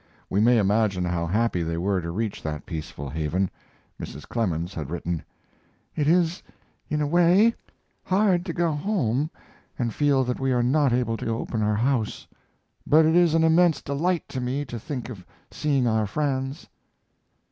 We may imagine how happy they were to reach that peaceful haven. Mrs. Clemens had written: "It is, in a way, hard to go home and feel that we are not able to open our house. But it is an immense delight to me to think of seeing our friends."